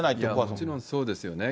もちろんそうですよね。